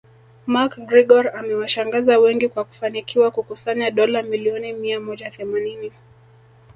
McGregor amewashangaza wengi kwa kufanikiwa kukusanya dola milioni mia moja themanini